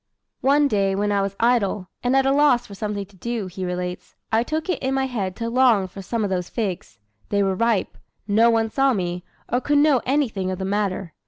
"One day when I was idle, and at a loss for something to do," he relates, "I took it in my head to long for some of those figs. They were ripe; no one saw me, or could know anything of the matter.